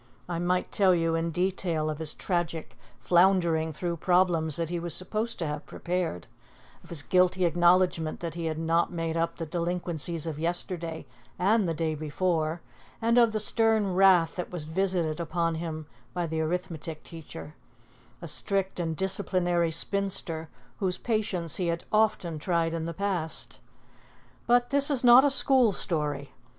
I might tell you in detail of his tragic floundering through problems that he was supposed to have prepared, of his guilty acknowledgment that he had not made up the delinquencies of yesterday and the day before, and of the stern wrath that was visited upon him by the arithmetic teacher, a strict and disciplinary spinster, whose patience he had often tried in the past. But this is not a school story.